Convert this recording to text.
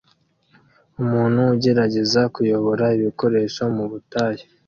Umuntu ugerageza kuyobora ibikoresho mubutayu